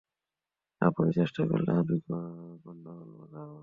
আপনি চেষ্টা করলে আমি গণ্ডগোল বাধাব।